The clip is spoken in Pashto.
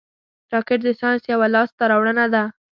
راکټ د ساینس یوه لاسته راوړنه ده